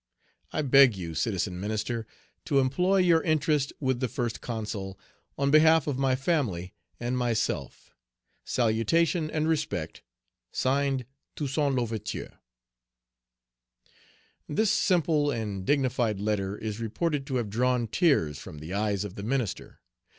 Page 236 "I beg you, Citizen Minister, to employ your interest with the First Consul, on behalf of my family and myself. "Salutation and respect, (Signed) "TOUSSAINT L'OUVERTURE." This simple and dignified letter is reported to have drawn tears from the eyes of the minister.